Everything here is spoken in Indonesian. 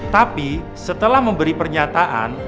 tapi setelah memberi pernyataan